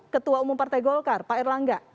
ketua umum partai golkar pak erlangga